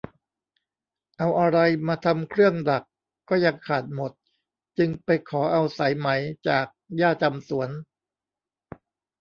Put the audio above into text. เอาอะไรมาทำเครื่องดักก็ยังขาดหมด จึงไปขอเอาสายไหม จากย่าจำสวน